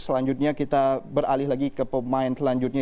selanjutnya kita beralih lagi ke pemain selanjutnya